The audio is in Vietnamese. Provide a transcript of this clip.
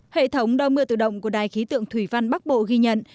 hệ thống đo mưa tự động của đài khí tượng thủy văn bắc bộ ghi nhận